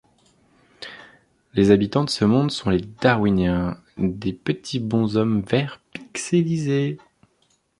Les habitants de ce monde sont les Darwiniens, des petits bonshommes verts pixelisés.